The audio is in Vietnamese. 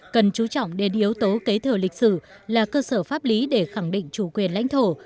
cần chú trọng đến yếu tố kế thừa lịch sử là cơ sở pháp lý để khẳng định chủ quyền lãnh thổ